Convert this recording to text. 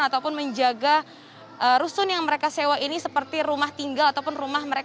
ataupun menjaga rusun yang mereka sewa ini seperti rumah tinggal ataupun rumah mereka